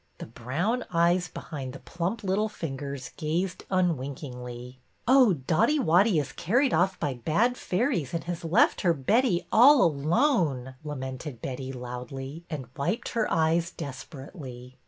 The brown eyes behind the plump little fingers gazed unwinkingly. Oh, Dotty Wotty is carried oif by bad fairies and has left her Betty all alone," lamented Betty, loudly, and wiped her eyes desperately.